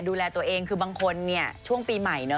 ดูแลตัวเองคือบางคนเนี่ยช่วงปีใหม่เนาะ